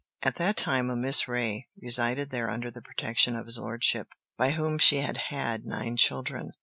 At that time a Miss Reay resided there under the protection of his lordship, by whom she had had nine children.